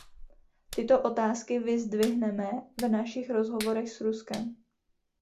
Tyto otázky vyzdvihneme v našich rozhovorech s Ruskem.